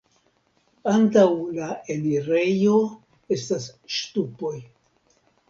Antaŭ la enirejo estas ŝtupoj.